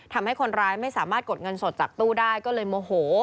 ทำให้คนร้ายไม่สามารถกดเงินสดจากตู้ได้ก็เลยโมโห